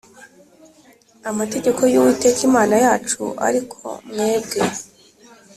amategeko y Uwiteka Imana yacu ariko mwebwe